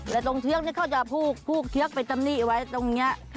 แล้วตรงเทือกนี่เขาจะพูกพูกเทือกไปตรงนี้ไว้ตรงนี้